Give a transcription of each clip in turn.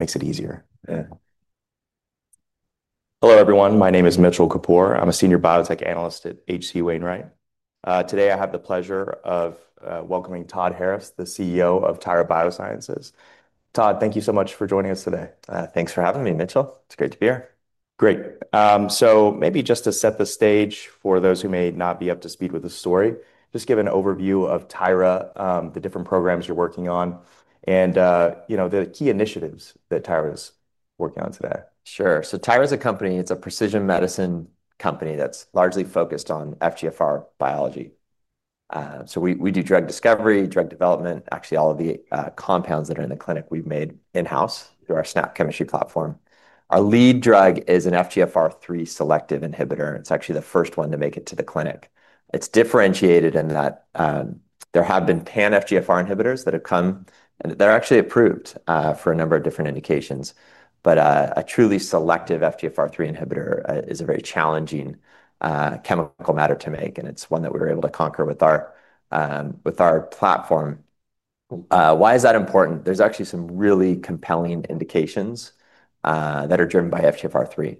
Hello everyone. My name is Mitchell Kapoor. I'm a Senior Biotech Analyst at HC Wainwright. Today, I have the pleasure of welcoming Todd Harris, the CEO of Tyra Biosciences. Todd, thank you so much for joining us today. Thanks for having me, Mitchell. It's great to be here. Great. Maybe just to set the stage for those who may not be up to speed with the story, just give an overview of Tyra Biosciences, the different programs you're working on, and the key initiatives that Tyra Biosciences is working on today. Sure. Tyra is a company. It's a precision medicine company that's largely focused on FGFR biology. We do drug discovery, drug development, and actually all of the compounds that are in the clinic we've made in-house through our SNAP chemistry platform. Our lead drug is an FGFR3 selective inhibitor. It's actually the first one to make it to the clinic. It's differentiated in that there have been pan-FGFR inhibitors that have come, and they're actually approved for a number of different indications. A truly selective FGFR3 inhibitor is a very challenging chemical matter to make, and it's one that we were able to conquer with our platform. Why is that important? There are actually some really compelling indications that are driven by FGFR3.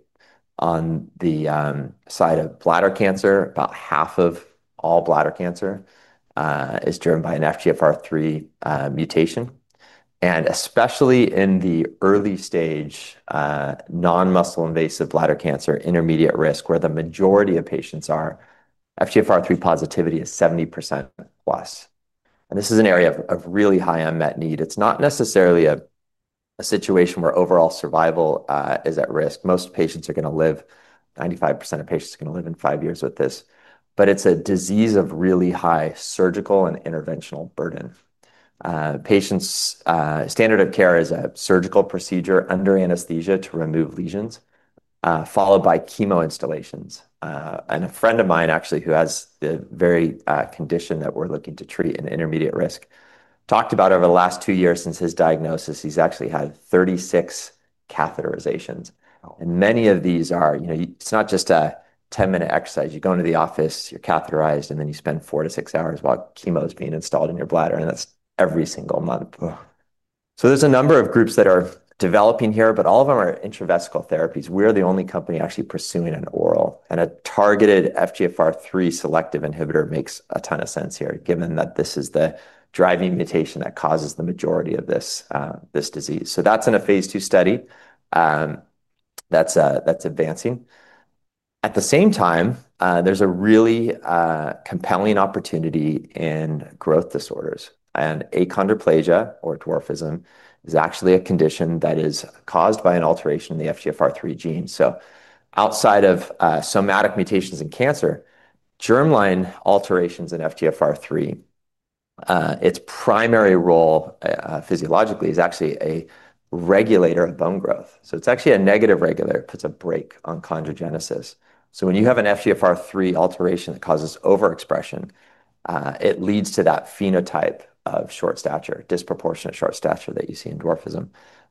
On the side of bladder cancer, about half of all bladder cancer is driven by an FGFR3 mutation. Especially in the early stage non-muscle invasive bladder cancer intermediate risk, where the majority of patients are, FGFR3 positivity is 70% plus. This is an area of really high unmet need. It's not necessarily a situation where overall survival is at risk. Most patients are going to live, 95% of patients are going to live in five years with this. It's a disease of really high surgical and interventional burden. Patients' standard of care is a surgical procedure under anesthesia to remove lesions, followed by chemo instillations. A friend of mine actually, who has the very condition that we're looking to treat in intermediate risk, talked about over the last two years since his diagnosis, he's actually had 36 catheterizations. Many of these are, you know, it's not just a 10-minute exercise. You go into the office, you're catheterized, and then you spend four to six hours while chemo is being installed in your bladder, and that's every single month. There are a number of groups that are developing here, but all of them are intravesical therapies. We're the only company actually pursuing an oral. A targeted FGFR3 selective inhibitor makes a ton of sense here, given that this is the driving mutation that causes the majority of this disease. That's in a phase two study. That's advancing. At the same time, there's a really compelling opportunity in growth disorders. Achondroplasia or dwarfism is actually a condition that is caused by an alteration in the FGFR3 gene. Outside of somatic mutations in cancer, germline alterations in FGFR3, its primary role physiologically is actually a regulator of bone growth. It's actually a negative regulator. It puts a brake on chondrogenesis. When you have an FGFR3 alteration that causes overexpression, it leads to that phenotype of short stature, disproportionate short stature that you see in dwarfism.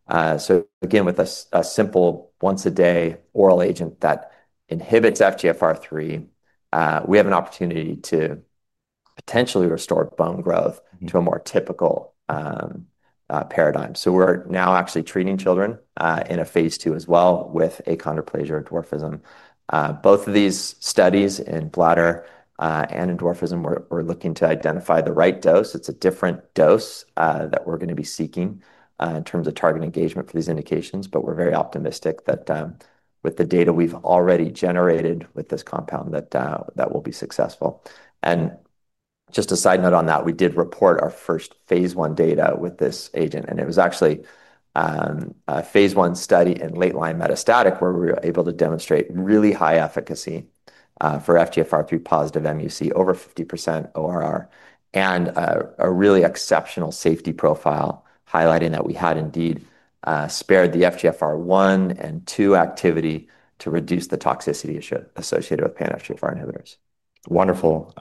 With a simple once-a-day oral agent that inhibits FGFR3, we have an opportunity to potentially restore bone growth to a more typical paradigm. We're now actually treating children in a phase two as well with achondroplasia or dwarfism. Both of these studies in bladder and in dwarfism, we're looking to identify the right dose. It's a different dose that we're going to be seeking in terms of target engagement for these indications. We're very optimistic that with the data we've already generated with this compound, that we'll be successful. As a side note on that, we did report our first phase one data with this agent. It was actually a phase one study in late-line metastatic, where we were able to demonstrate really high efficacy for FGFR3 positive MUC, over 50% ORR, and a really exceptional safety profile, highlighting that we had indeed spared the FGFR1 and 2 activity to reduce the toxicity associated with pan-FGFR inhibitors. Wonderful.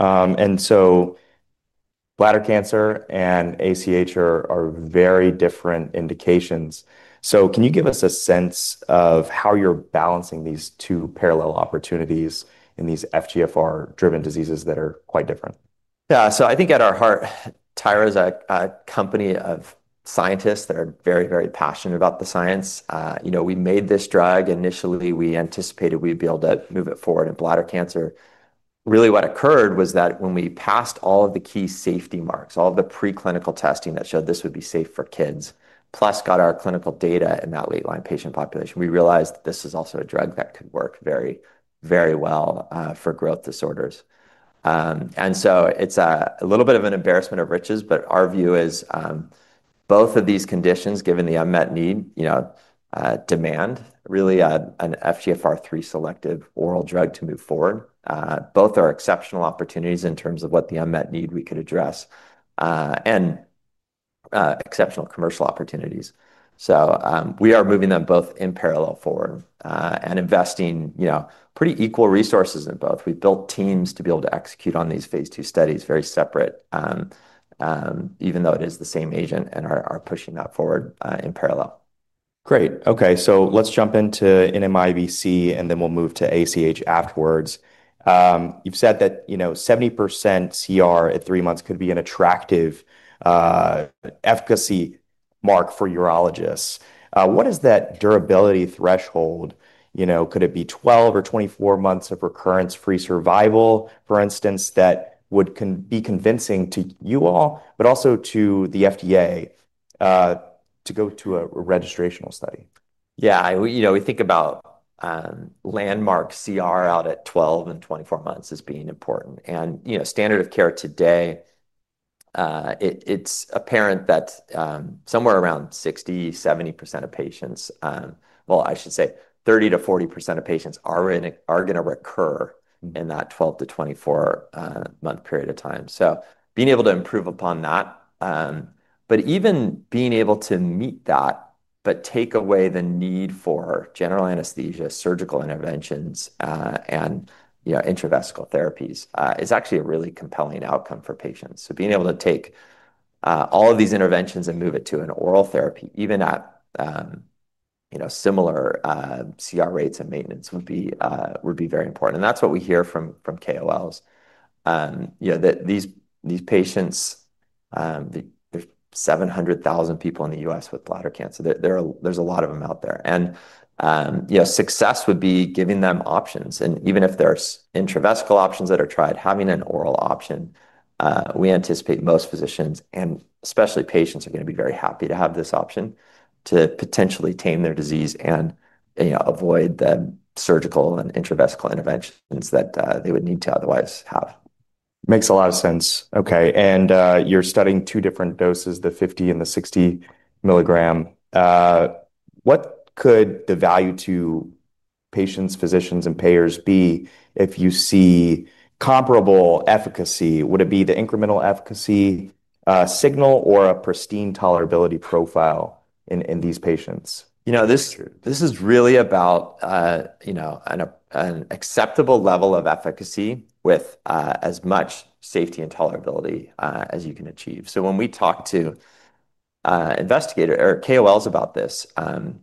Bladder cancer and ACH are very different indications. Can you give us a sense of how you're balancing these two parallel opportunities in these FGFR3-driven diseases that are quite different? Yeah, so I think at our heart, Tyra Biosciences is a company of scientists that are very, very passionate about the science. We made this drug. Initially, we anticipated we'd be able to move it forward in bladder cancer. What occurred was that when we passed all of the key safety marks, all of the preclinical testing that showed this would be safe for kids, plus got our clinical data in that late-line patient population, we realized this is also a drug that could work very, very well for growth disorders. It's a little bit of an embarrassment of riches, but our view is both of these conditions, given the unmet need, demand really an FGFR3 selective oral drug to move forward. Both are exceptional opportunities in terms of what the unmet need we could address and exceptional commercial opportunities. We are moving them both in parallel forward and investing pretty equal resources in both. We built teams to be able to execute on these phase two studies very separate, even though it is the same agent, and are pushing that forward in parallel. Great. OK, let's jump into NMIBC, and then we'll move to ACH afterwards. You've said that 70% CR at three months could be an attractive efficacy mark for urologists. What is that durability threshold? Could it be 12 or 24 months of recurrence-free survival, for instance, that would be convincing to you all, but also to the FDA to go to a registrational study? Yeah, you know, we think about landmark CR out at 12 and 24 months as being important. Standard of care today, it's apparent that somewhere around 60% to 70% of patients, well, I should say 30% to 40% of patients are going to recur in that 12 to 24-month period of time. Being able to improve upon that, but even being able to meet that, but take away the need for general anesthesia, surgical interventions, and intravesical therapies is actually a really compelling outcome for patients. Being able to take all of these interventions and move it to an oral therapy, even at similar CR rates and maintenance, would be very important. That's what we hear from KOLs. You know, these patients, the 700,000 people in the U.S. with bladder cancer, there's a lot of them out there. Success would be giving them options. Even if there are intravesical options that are tried, having an oral option, we anticipate most physicians, and especially patients, are going to be very happy to have this option to potentially tame their disease and avoid the surgical and intravesical interventions that they would need to otherwise have. Makes a lot of sense. OK. You're studying two different doses, the 50 and the 60 milligram. What could the value to patients, physicians, and payers be if you see comparable efficacy? Would it be the incremental efficacy signal or a pristine tolerability profile in these patients? You know, this is really about an acceptable level of efficacy with as much safety and tolerability as you can achieve. When we talk to investigators or KOLs about this,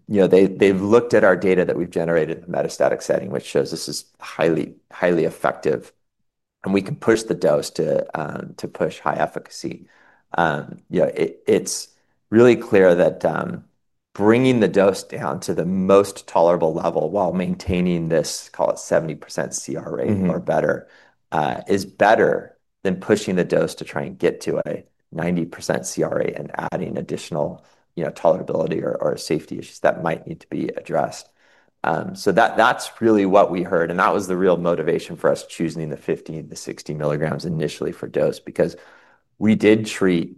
they've looked at our data that we've generated in a metastatic setting, which shows this is highly effective. We can push the dose to push high efficacy. It's really clear that bringing the dose down to the most tolerable level while maintaining this, call it 70% CR rate or better, is better than pushing the dose to try and get to a 90% CR rate and adding additional tolerability or safety issues that might need to be addressed. That's really what we heard. That was the real motivation for us choosing the 50 and the 60 milligrams initially for dose, because we did treat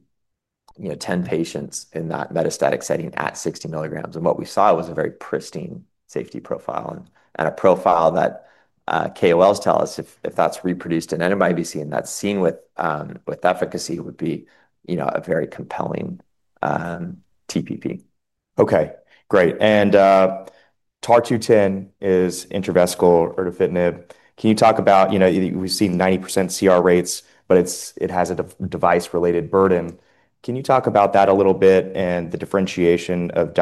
10 patients in that metastatic setting at 60 milligrams. What we saw was a very pristine safety profile and a profile that KOLs tell us, if that's reproduced in NMIBC and that's seen with efficacy, would be a very compelling TPP. OK, great. TAR210 is intravesical or definitive. Can you talk about, you know, we've seen 90% CR rates, but it has a device-related burden. Can you talk about that a little bit and the differentiation of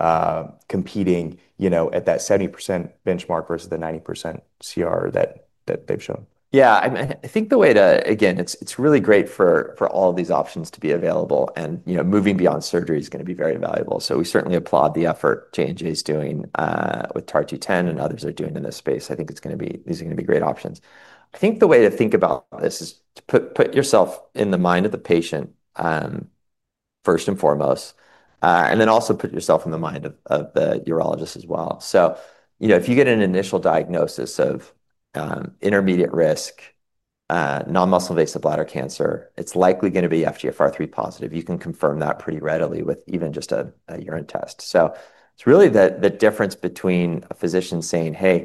Dabagrotnib competing at that 70% benchmark versus the 90% CR that they've shown? Yeah, I think the way to, again, it's really great for all of these options to be available. Moving beyond surgery is going to be very valuable. We certainly applaud the effort Johnson & Johnson is doing with TAR210 and others are doing in this space. I think these are going to be great options. I think the way to think about this is to put yourself in the mind of the patient first and foremost, and then also put yourself in the mind of the urologist as well. If you get an initial diagnosis of intermediate risk non-muscle invasive bladder cancer, it's likely going to be FGFR3 positive. You can confirm that pretty readily with even just a urine test. It's really the difference between a physician saying, hey,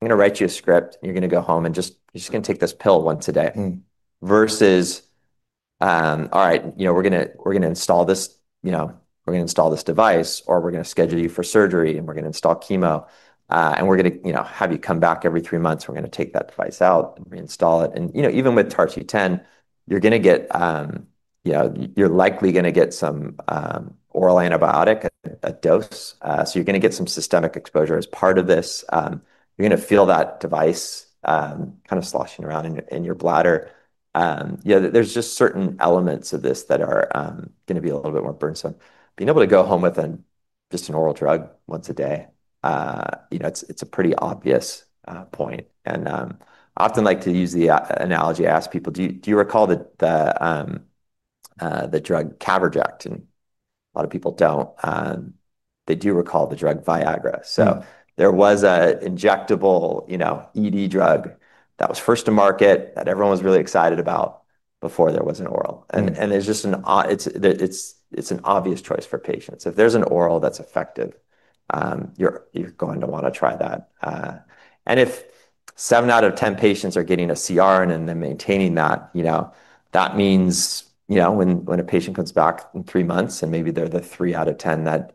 I'm going to write you a script, and you're going to go home and just, you're just going to take this pill once a day, versus, all right, we're going to install this, we're going to install this device, or we're going to schedule you for surgery, and we're going to install chemo, and we're going to have you come back every three months, and we're going to take that device out and reinstall it. Even with TAR210, you're likely going to get some oral antibiotic at dose. You're going to get some systemic exposure as part of this. You're going to feel that device kind of sloshing around in your bladder. There are just certain elements of this that are going to be a little bit more burdensome. Being able to go home with just an oral drug once a day, it's a pretty obvious point. I often like to use the analogy. I ask people, do you recall the drug Cabergectin? A lot of people don't. They do recall the drug Viagra. There was an injectable ED drug that was first to market that everyone was really excited about before there was an oral. It's just an obvious choice for patients. If there's an oral that's effective, you're going to want to try that. If 7 out of 10 patients are getting a CR and then maintaining that, that means when a patient comes back in three months and maybe they're the 3 out of 10 that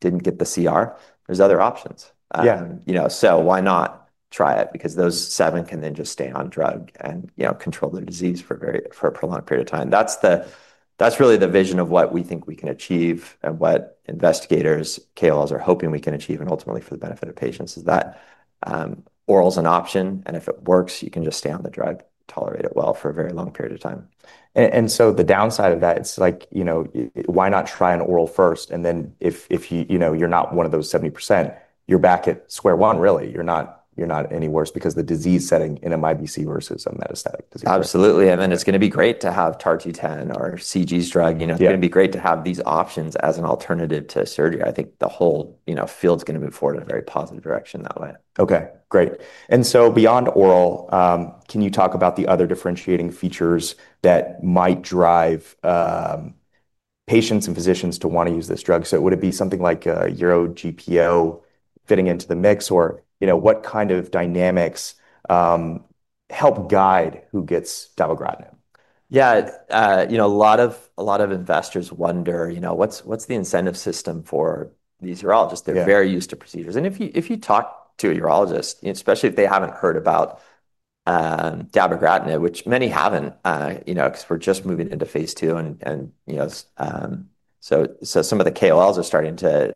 didn't get the CR, there's other options. Why not try it? Because those 7 can then just stay on drug and control their disease for a prolonged period of time. That's really the vision of what we think we can achieve and what investigators, KOLs are hoping we can achieve, and ultimately for the benefit of patients is that oral is an option. If it works, you can just stay on the drug, tolerate it well for a very long period of time. The downside of that, it's like, you know, why not try an oral first? If you're not one of those 70%, you're back at square one, really. You're not any worse because the disease setting NMIBC versus a metastatic disease. Absolutely. It's going to be great to have TAR210 or Johnson & Johnson's drug. It's going to be great to have these options as an alternative to surgery. I think the whole field's going to move forward in a very positive direction that way. OK, great. Beyond oral, can you talk about the other differentiating features that might drive patients and physicians to want to use this drug? Would it be something like a UroGPO fitting into the mix? You know, what kind of dynamics help guide who gets Dabagrotnib? Yeah, you know, a lot of investors wonder, you know, what's the incentive system for these urologists? They're very used to procedures. If you talk to a urologist, especially if they haven't heard about Dabagrotnib, which many haven't, because we're just moving into phase two, some of the KOLs are starting to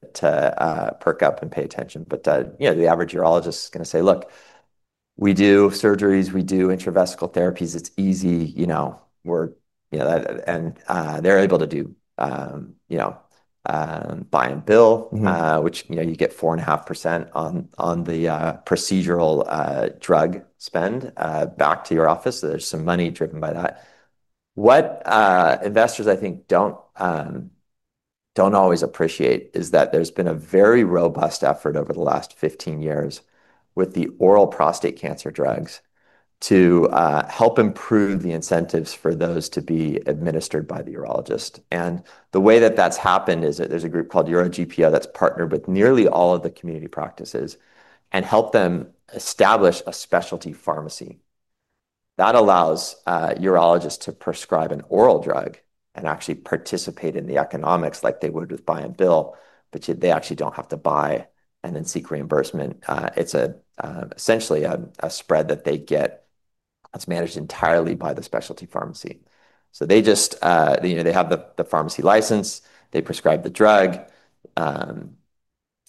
perk up and pay attention. The average urologist is going to say, look, we do surgeries, we do intravesical therapies, it's easy, and they're able to do buy and bill, which you get 4.5% on the procedural drug spend back to your office. There's some money driven by that. What investors I think don't always appreciate is that there's been a very robust effort over the last 15 years with the oral prostate cancer drugs to help improve the incentives for those to be administered by the urologist. The way that that's happened is that there's a group called UroGPO that's partnered with nearly all of the community practices and helped them establish a specialty pharmacy. That allows urologists to prescribe an oral drug and actually participate in the economics like they would with buy and bill, but they actually don't have to buy and then seek reimbursement. It's essentially a spread that they get that's managed entirely by the specialty pharmacy. They have the pharmacy license, they prescribe the drug,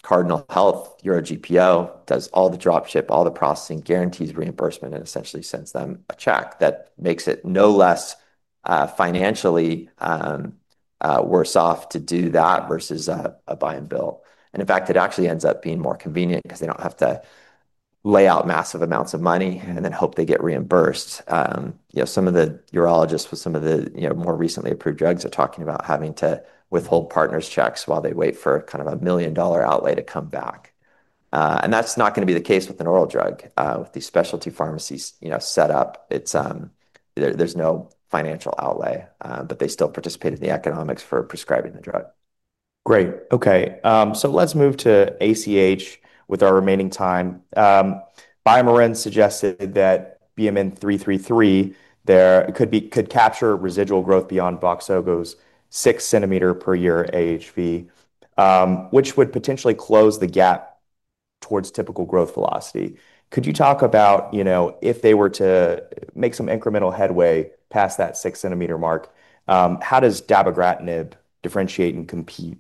Cardinal Health, UroGPO does all the dropship, all the processing, guarantees reimbursement, and essentially sends them a check that makes it no less financially worse off to do that versus a buy and bill. In fact, it actually ends up being more convenient because they don't have to lay out massive amounts of money and then hope they get reimbursed. Some of the urologists with some of the more recently approved drugs are talking about having to withhold partners' checks while they wait for kind of a million-dollar outlay to come back. That's not going to be the case with an oral drug. With these specialty pharmacies set up, there's no financial outlay, but they still participate in the economics for prescribing the drug. Great. OK, let's move to ACH with our remaining time. BioMarin suggested that BMN 333 there could capture residual growth beyond Voxzogo's 6 cm per year AHV, which would potentially close the gap towards typical growth velocity. Could you talk about, you know, if they were to make some incremental headway past that 6 cm mark, how does Dabagrotnib differentiate and compete?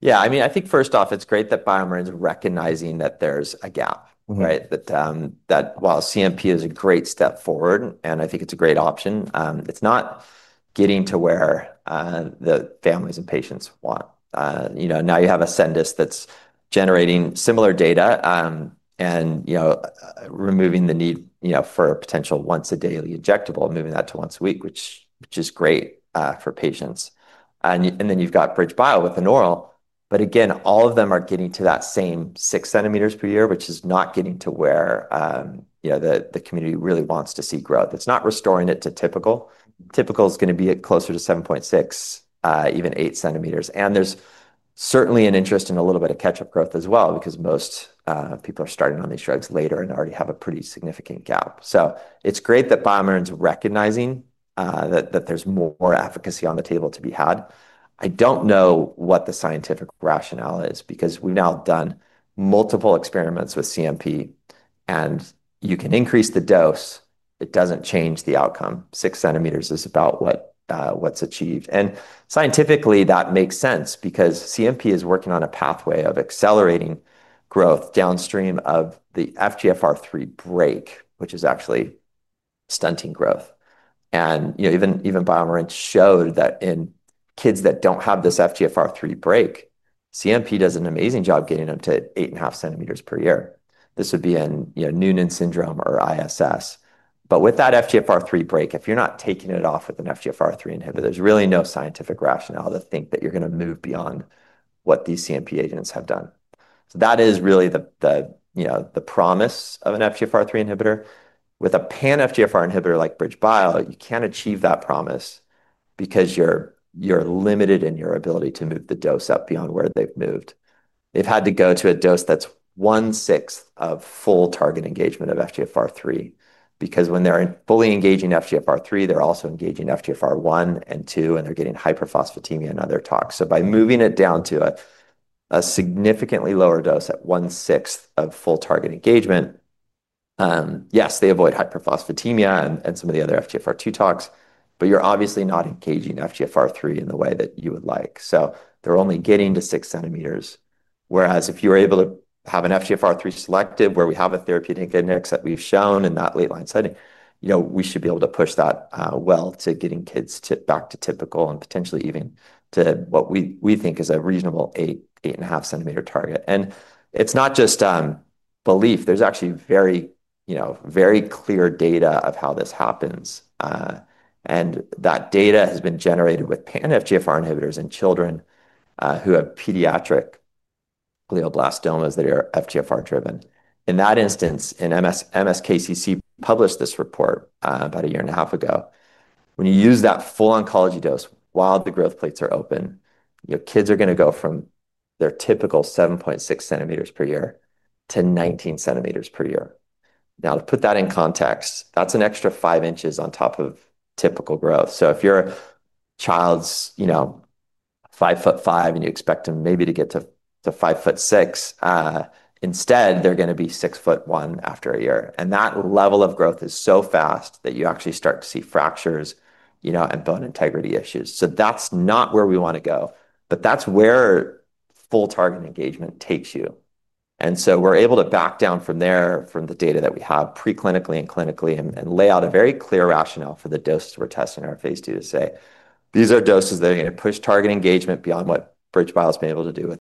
Yeah, I mean, I think first off, it's great that BioMarin is recognizing that there's a gap, right? That while CMP is a great step forward, and I think it's a great option, it's not getting to where the families and patients want. You know, now you have Ascendus that's generating similar data and, you know, removing the need for a potential once-a-day injectable, moving that to once a week, which is great for patients. Then you've got BridgeBio with an oral. Again, all of them aren't getting to that same 6 cm per year, which is not getting to where, you know, the community really wants to see growth. It's not restoring it to typical. Typical is going to be closer to 7.6, even 8 cm. There's certainly an interest in a little bit of catch-up growth as well, because most people are starting on these drugs later and already have a pretty significant gap. It's great that BioMarin is recognizing that there's more efficacy on the table to be had. I don't know what the scientific rationale is, because we've now done multiple experiments with CMP, and you can increase the dose. It doesn't change the outcome. 6 cm is about what's achieved. Scientifically, that makes sense, because CMP is working on a pathway of accelerating growth downstream of the FGFR3 break, which is actually stunting growth. Even BioMarin showed that in kids that don't have this FGFR3 break, CMP does an amazing job getting them to 8.5 cm per year. This would be in Noonan syndrome or ISS. With that FGFR3 break, if you're not taking it off with an FGFR3 inhibitor, there's really no scientific rationale to think that you're going to move beyond what these CMP agents have done. That is really the promise of an FGFR3 inhibitor. With a pan-FGFR inhibitor like BridgeBio, you can't achieve that promise because you're limited in your ability to move the dose up beyond where they've moved. They've had to go to a dose that's 1/6 of full target engagement of FGFR3, because when they're fully engaging FGFR3, they're also engaging FGFR1 and 2, and they're getting hyperphosphatemia and other tox. By moving it down to a significantly lower dose at 1/6 of full target engagement, yes, they avoid hyperphosphatemia and some of the other FGFR2 tox, but you're obviously not engaging FGFR3 in the way that you would like. They're only getting to 6 cm, whereas if you were able to have an FGFR3 selective where we have a therapeutic index that we've shown in that late-line setting, you know, we should be able to push that well to getting kids back to typical and potentially even to what we think is a reasonable 8.5 cm target. It's not just belief. There's actually very, you know, very clear data of how this happens. That data has been generated with pan-FGFR inhibitors in children who have pediatric glioblastomas that are FGFR driven. In that instance, MSKCC published this report about a year and a half ago. When you use that full oncology dose while the growth plates are open, you know, kids are going to go from their typical 7.6 cm per year to 19 cm per year. To put that in context, that's an extra 5 inches on top of typical growth. If your child's, you know, 5'5" and you expect them maybe to get to 5'6", instead, they're going to be 6'1" after a year. That level of growth is so fast that you actually start to see fractures, you know, and bone integrity issues. That's not where we want to go. That's where full target engagement takes you. We're able to back down from there, from the data that we have preclinically and clinically, and lay out a very clear rationale for the doses we're testing in our phase two to say, these are doses that are going to push target engagement beyond what BridgeBio has been able to do with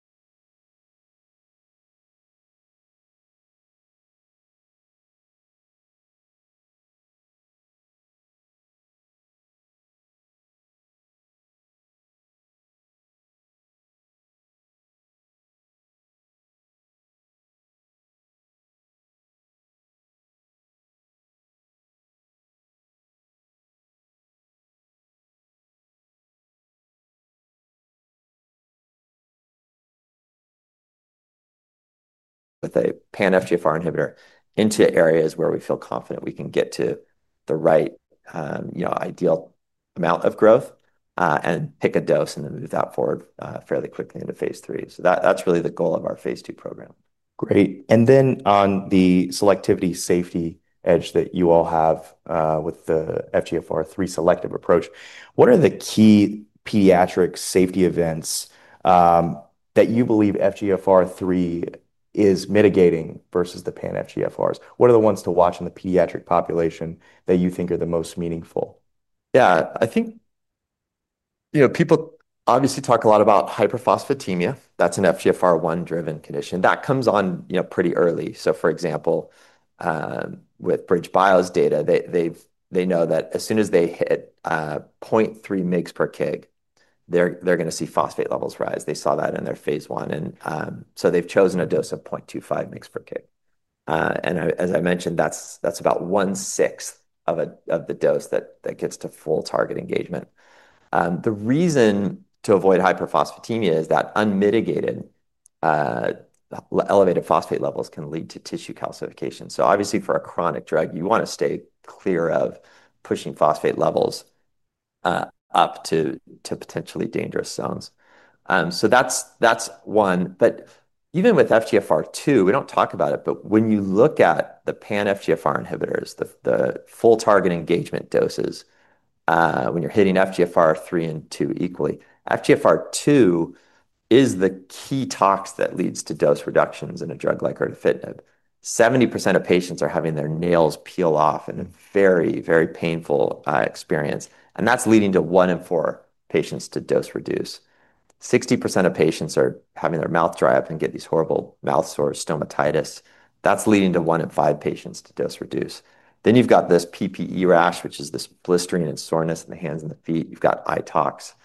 a pan-FGFR inhibitor into areas where we feel confident we can get to the right, you know, ideal amount of growth and pick a dose and then move that forward fairly quickly into phase three. That's really the goal of our phase two program. Great. On the selectivity safety edge that you all have with the FGFR3 selective approach, what are the key pediatric safety events that you believe FGFR3 is mitigating versus the pan-FGFRs? What are the ones to watch in the pediatric population that you think are the most meaningful? Yeah, I think, you know, people obviously talk a lot about hyperphosphatemia. That's an FGFR1-driven condition. That comes on, you know, pretty early. For example, with BridgeBio's data, they know that as soon as they hit 0.3 mg per kg, they're going to see phosphate levels rise. They saw that in their phase one. They have chosen a dose of 0.25 mg per kg. As I mentioned, that's about 1/6 of the dose that gets to full target engagement. The reason to avoid hyperphosphatemia is that unmitigated elevated phosphate levels can lead to tissue calcification. Obviously, for a chronic drug, you want to stay clear of pushing phosphate levels up to potentially dangerous zones. That's one. Even with FGFR2, we don't talk about it, but when you look at the pan-FGFR inhibitors, the full target engagement doses, when you're hitting FGFR3 and 2 equally, FGFR2 is the key tox that leads to dose reductions in a drug like erdafitinib. 70% of patients are having their nails peel off in a very, very painful experience, and that's leading to 1 in 4 patients to dose reduce. 60% of patients are having their mouth dry up and get these horrible mouth sores, stomatitis. That's leading to 1 in 5 patients to dose reduce. Then you've got this PPE rash, which is this blistering and soreness in the hands and the feet. You've got eye tox.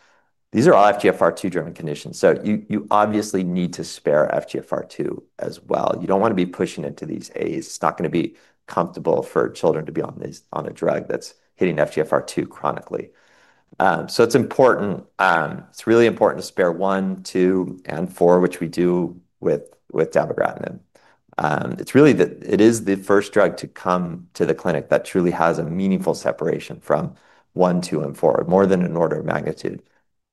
These are all FGFR2-driven conditions. You obviously need to spare FGFR2 as well. You don't want to be pushing it to these areas. It's not going to be comfortable for children to be on a drug that's hitting FGFR2 chronically. It's important. It's really important to spare 1, 2, and 4, which we do with Dabagrotnib. It is the first drug to come to the clinic that truly has a meaningful separation from 1, 2, and 4, more than an order of magnitude.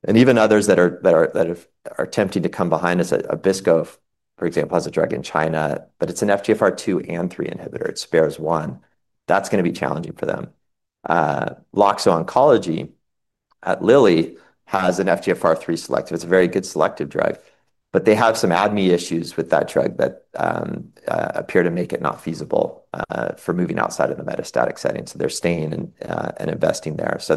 Even others that are attempting to come behind us, Abcuro, for example, has a drug in China, but it's an FGFR2 and 3 inhibitor. It spares 1. That's going to be challenging for them. Loxo Oncology at Lilly has an FGFR3 selective. It's a very good selective drug, but they have some ADME issues with that drug that appear to make it not feasible for moving outside of the metastatic setting. They are staying and investing there. They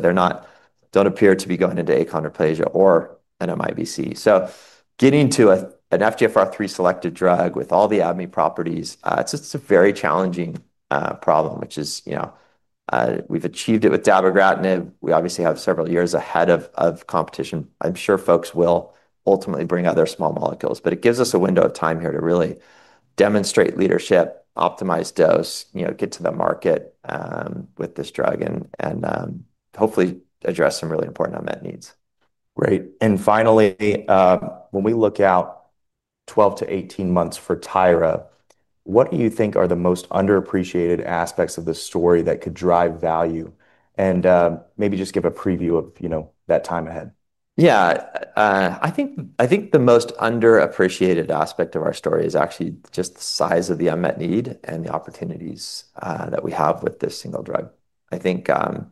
don't appear to be going into achondroplasia or NMIBC. Getting to an FGFR3 selected drug with all the ADME properties is just a very challenging problem, which is, you know, we've achieved it with Dabagrotnib. We obviously have several years ahead of competition. I'm sure folks will ultimately bring out their small molecules, but it gives us a window of time here to really demonstrate leadership, optimize dose, get to the market with this drug, and hopefully address some really important unmet needs. Great. Finally, when we look out 12 to 18 months for Tyra Biosciences, what do you think are the most underappreciated aspects of the story that could drive value? Maybe just give a preview of that time ahead. Yeah, I think the most underappreciated aspect of our story is actually just the size of the unmet need and the opportunities that we have with this single drug. I think the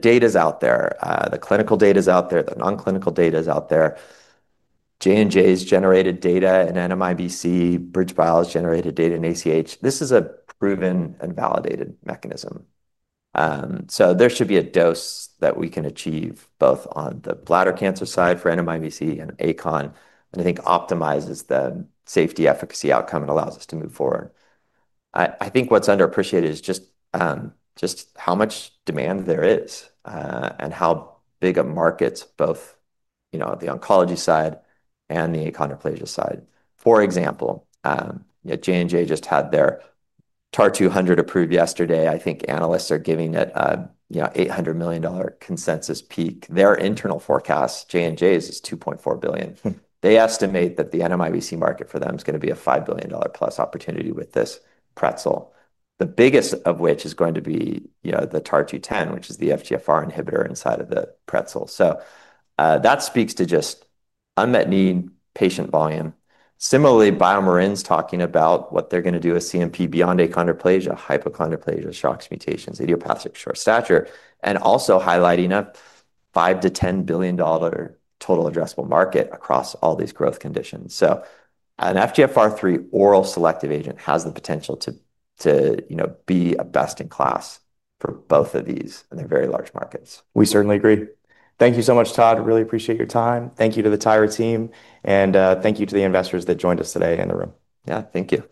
data is out there. The clinical data is out there. The non-clinical data is out there. Johnson & Johnson's generated data in NMIBC. BridgeBio's generated data in ACH. This is a proven and validated mechanism. There should be a dose that we can achieve both on the bladder cancer side for NMIBC and ACH, and I think optimizes the safety efficacy outcome and allows us to move forward. I think what's underappreciated is just how much demand there is and how big a market both the oncology side and the achondroplasia side. For example, Johnson & Johnson just had their TAR200 approved yesterday. I think analysts are giving it an $800 million consensus peak. Their internal forecast, Johnson & Johnson's, is $2.4 billion. They estimate that the NMIBC market for them is going to be a $5 billion plus opportunity with this pretzel, the biggest of which is going to be the TAR210, which is the FGFR inhibitor inside of the pretzel. That speaks to just unmet need, patient volume. Similarly, BioMarin's talking about what they're going to do with BMN 333 beyond achondroplasia, hypochondroplasia, Schatzki's mutations, idiopathic short stature, and also highlighting a $5 to $10 billion total addressable market across all these growth conditions. An FGFR3 oral selective agent has the potential to be a best-in-class for both of these and their very large markets. We certainly agree. Thank you so much, Todd. Really appreciate your time. Thank you to the Tyra team. Thank you to the investors that joined us today in the room. Yeah, thank you.